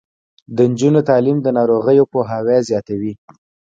د نجونو تعلیم د ناروغیو پوهاوي زیاتوي.